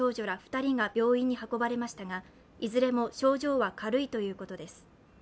２人が病院に運ばれましたが、いずれも症状は軽いということです。